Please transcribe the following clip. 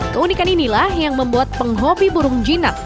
keunikan inilah yang membuat penghobi burung jinak